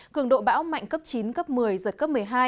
cường độ bão mạnh cấp chín cấp một mươi giật cấp một mươi hai